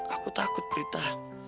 aku takut prita